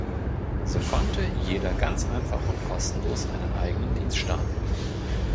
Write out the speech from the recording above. So konnte jeder ganz einfach und kostenlos einen eigenen Dienst starten.